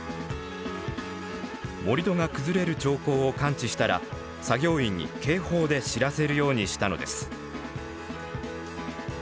盛り土が崩れる兆候を感知したら作業員に警報で知らせるようにしたのです。